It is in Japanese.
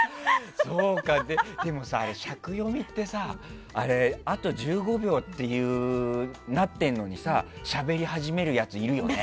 でも尺読みってさあと１５秒ってなってるのにしゃべり始めるやついるよね。